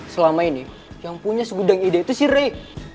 selama ini yang punya segudang ide itu si rey